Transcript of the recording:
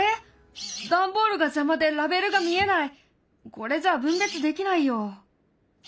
これじゃ分別できないよ。